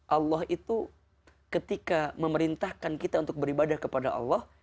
allah itu ketika memerintahkan kita untuk beribadah kepada allah